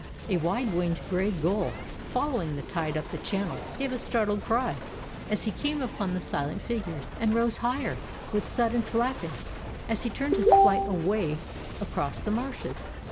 A wide winged gray gull, following the tide up the channel, gave a startled cry as he came upon the silent figures, and rose higher, with sudden flapping, as he turned his flight away across the marshes.